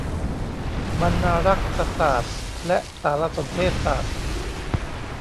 บรรณารักษศาสตร์และสารสนเทศศาสตร์